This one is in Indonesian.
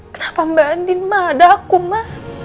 kenapa mbak andin ma ada aku ma